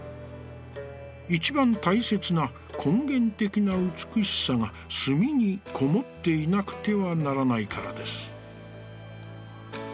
いちばん大切な、根元的な美しさが墨にこもっていなくてはならないからです」。